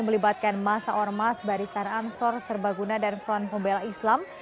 melibatkan masa ormas barisan ansor serbaguna dan front pembela islam